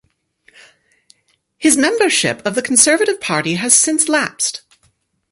His membership of the Conservative Party has since lapsed.